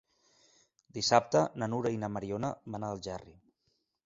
Dissabte na Nura i na Mariona van a Algerri.